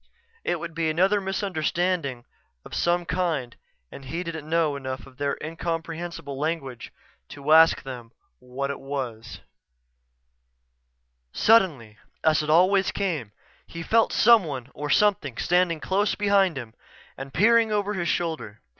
It would be another misunderstanding of some kind and he didn't know enough of their incomprehensible language to ask them what it was Suddenly, as it always came, he felt someone or something standing close behind him and peering over his shoulder.